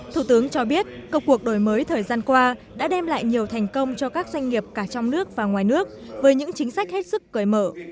thủ tướng cho biết công cuộc đổi mới thời gian qua đã đem lại nhiều thành công cho các doanh nghiệp cả trong nước và ngoài nước với những chính sách hết sức cởi mở